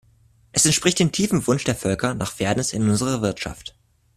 Es entspricht dem tiefen Wunsch der Völker nach Fairness in unserer Wirtschaft.